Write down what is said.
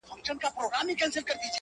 چي بیا به څه ډول حالت وي، د ملنگ.